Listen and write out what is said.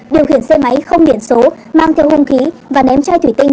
điều khiển xe máy không điện số mang theo hung khí và ném chai thủy tinh